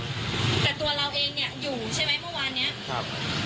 แต่ตัวเราเองเนี้ยอยู่ใช่ไหมเมื่อวานเนี้ยครับ